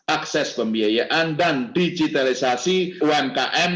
akses pembiayaan dan digitalisasi umkm